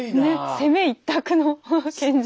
攻め一択の剣術。